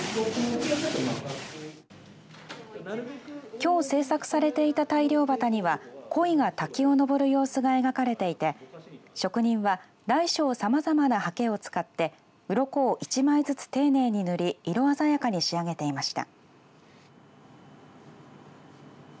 きょう製作されていた大漁旗にはこいが滝を登る様子が描かれていて職人は大小さまざまなはけを使ってうろこを一枚ずつ丁寧に塗り色鮮やかに仕上げていました。